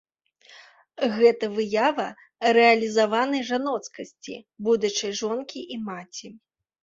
Гэта выява рэалізаванай жаноцкасці, будучай жонкі і маці.